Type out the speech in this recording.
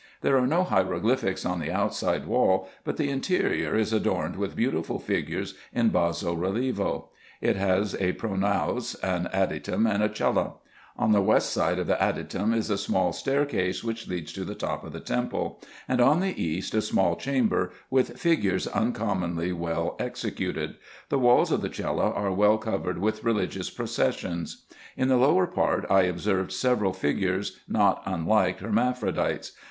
There are no hieroglyphics on the outside wall, but the interior is adorned with beautiful figures in basso relievo : it has a pronaos, an adytum, and a cella. On the west side of the adytum is a small staircase which leads to the top of the temple ; and on the east a small chamber, with figures uncommonly well executed : the walls of the cella are well covered with religious processions. In the lower part I observed several figures, not unlike herma phrodites.